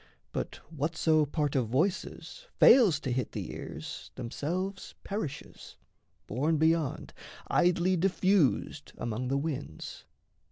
But whatso part of voices fails to hit The ears themselves perishes, borne beyond, Idly diffused among the winds.